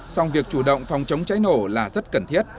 song việc chủ động phòng chống cháy nổ là rất cần thiết